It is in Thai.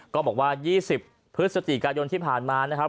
บอกว่า๒๐พฤศจิกายนที่ผ่านมานะครับ